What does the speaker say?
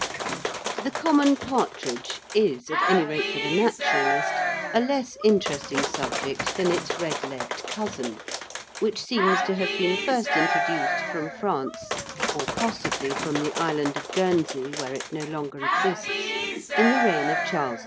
The common partridge is at any rate for the naturalist a less interesting subject than its red legged cousin, which seems to have been first introduced from France (or possibly from the island of Guernsey, where it no longer exists) in the reign of Charles II.